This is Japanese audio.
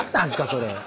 それ。